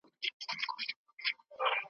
هر عمل یې د شیطان وي په خلوت کي ,